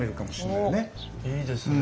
いいですね。